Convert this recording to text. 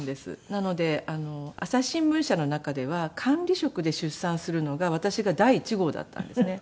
なので朝日新聞社の中では管理職で出産するのが私が第１号だったんですね。